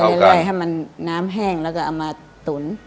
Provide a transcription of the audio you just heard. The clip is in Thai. เรื่อยให้มันน้ำแห้งแล้วก็เอามาตุ๋น